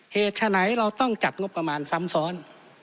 ฉะไหนเราต้องจัดงบประมาณซ้ำซ้อน